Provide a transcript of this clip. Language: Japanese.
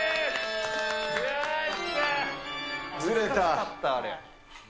ずれた。